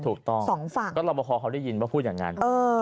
สองฝั่งก็รอประคอเขาได้ยินว่าพูดอย่างนั้น